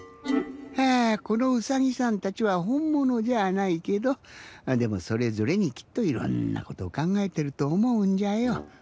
このうさぎさんたちはほんものじゃないけどでもそれぞれにきっといろんなことをかんがえてるとおもうんじゃよ。